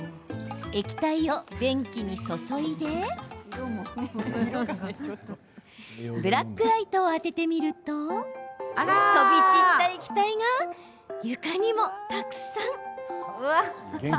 液体を便器に注いでブラックライトを当ててみると飛び散った液体が床にもたくさん。